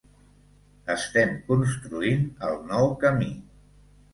Estem construint el nou camí.